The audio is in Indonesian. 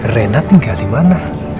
rena tinggal dimana